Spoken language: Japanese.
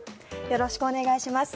よろしくお願いします。